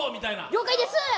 了解です！